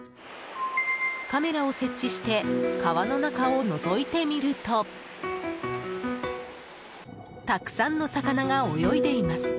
カメラを設置して川の中をのぞいてみるとたくさんの魚が泳いでいます。